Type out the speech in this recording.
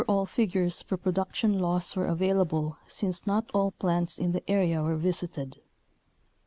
No over all figures for production loss were available since not all plants in the area were visited.